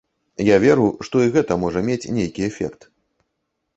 Я веру, што і гэта можа мець нейкі эфект.